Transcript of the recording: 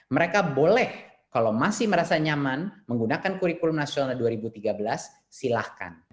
mereka boleh kalau masih merasa nyaman menggunakan kurikulum nasional dua ribu tiga belas silahkan